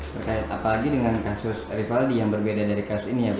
terkait apalagi dengan kasus rivaldi yang berbeda dari kasus ini ya bu